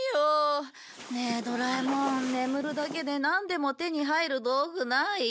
ねえドラえもん眠るだけでなんでも手に入る道具ない？